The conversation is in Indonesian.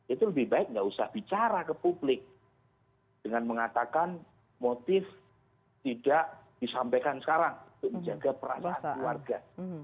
itu lebih baik nggak usah bicara ke publik dengan mengatakan motif tidak disampaikan sekarang untuk menjaga perasaan keluarga